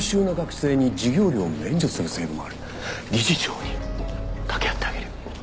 理事長に掛け合ってあげるよ。